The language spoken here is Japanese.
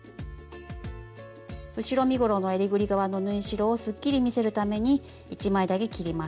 後ろ身ごろのえりぐり側の縫い代をすっきり見せるために１枚だけ切ります。